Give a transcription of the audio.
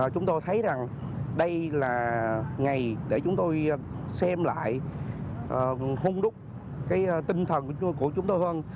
chúng tôi thấy rằng đây là ngày để chúng tôi xem lại hung đúc cái tinh thần của chúng tôi hơn